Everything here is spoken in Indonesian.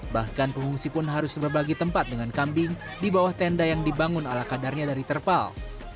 bahkan pengungsi pun harus berbagi tempat dengan kambing di bawah tenda yang dibangun ala kadarnya dari terpal